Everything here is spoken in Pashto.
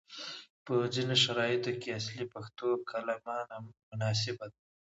په ځینو شرایطو کې اصلي پښتو کلمه مناسبه ده،